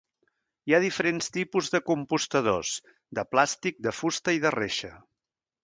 Hi ha diferents tipus de compostadors, de plàstic, de fusta i de reixa.